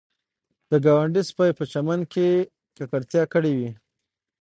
د ګاونډي سپي په چمن کې ککړتیا کړې وي